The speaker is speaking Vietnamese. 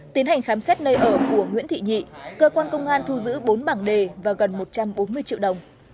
tiến hành khám xét nơi ở của nguyễn thị nhị cơ quan công an thu giữ bốn bảng đề và gần một trăm bốn mươi triệu đồng